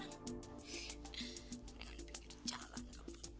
jangan pingin jalan kamu